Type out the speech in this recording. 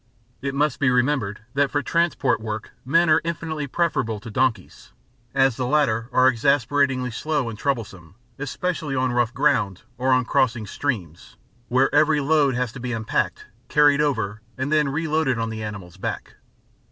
It must be remembered that for transport work men are infinitely preferable to donkeys, as the latter are exasperatingly slow and troublesome, especially on rough ground or on crossing streams, where every load has to be unpacked, carried over, and then reloaded on the animal's back.